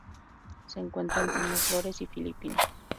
Se encuentra en Timor, Flores y Filipinas.